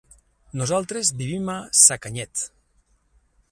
Nosaltres vivim a Sacanyet.